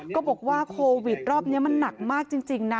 ก็บอกว่าโควิดรอบนี้มันหนักมากจริงนะ